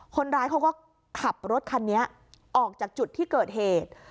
คนร้ายเขาก็ขับรถคันนี้ออกจากจุดที่เกิดเหตุ